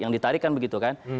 yang ditarikan begitu kan